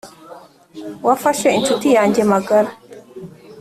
wafashe inshuti yanjye magara.